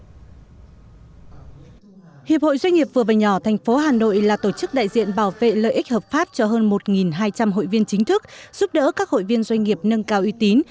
hiệp hội doanh nghiệp vừa và nhỏ thành phố hà nội là tổ chức đại diện bảo vệ lợi ích hợp pháp cho hơn một hai trăm linh hội viên chính thức giúp đỡ các hội viên doanh nghiệp nâng cao uy tín